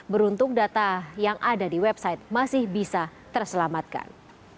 beruntung data yang ada di website masih bisa terselamatkan